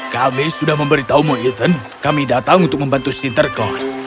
kami sudah memberitahumu ethan kami datang untuk membantu sinterklaas